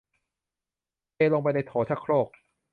เทลงไปในโถชักโครก